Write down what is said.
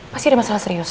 pasti ada masalah serius